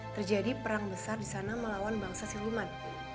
terjadi perang besar di sana melawan bangsa siluman